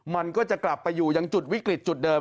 มันก็จะกลับไปอยู่ยังจุดวิกฤตจุดเดิม